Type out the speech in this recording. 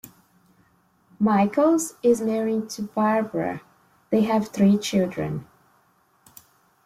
Michels is married to Barbara; they have three children.